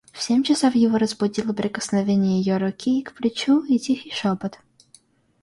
В семь часов его разбудило прикосновение ее руки к плечу и тихий шопот.